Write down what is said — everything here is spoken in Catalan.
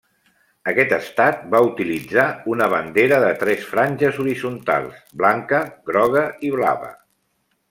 Aquest estat va utilitzar una bandera de tres franges horitzontals: blanca, groga i blava.